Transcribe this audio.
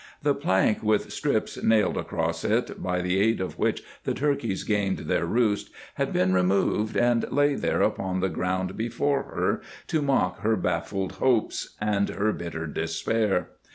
The plank with strips nailed across it, by the aid of which the turkeys gained their roost, had been removed and lay there upon the ground before her, to mock her baffled hopes and her bitter despair.